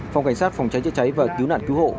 phòng cảnh sát phòng cháy chữa cháy và cứu nạn cứu hộ